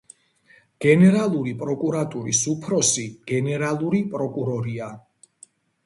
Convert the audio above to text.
გენერალური პროკურატურის უფროსი გენერალური პროკურორია.